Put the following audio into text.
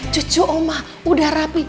cucu oma udah rapi